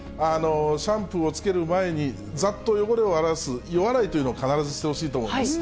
シャンプーをつける前に、ざっと汚れを流す予洗いというのを必ずしてほしいと思います。